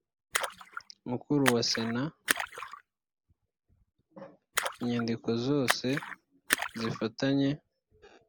mukuru wa sena inyandiko zose zifitanye